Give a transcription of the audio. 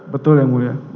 betul yang mulia